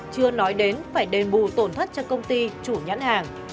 chưa nói đến phải đền bù tổn thất cho công ty chủ nhãn hàng